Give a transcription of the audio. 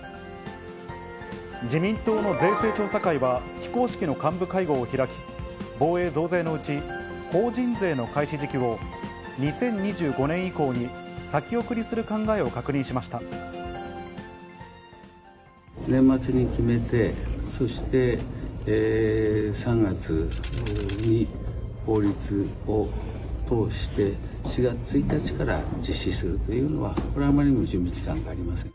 自民党の税制調査会は、非公式の幹部会合を開き、防衛増税のうち、法人税の開始時期を２０２５年以降に先送りする考えを確認しまし年末に決めて、そして３月に法律を通して、４月１日から実施するというのは、これはあまりにも準備期間がありません。